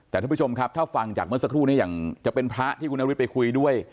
แต่ท่านผู้ชมครับถ้าฟังจากเมื่อสักครู่นี้อย่างจะเป็นพระที่คุณนฤทธิไปคุยด้วย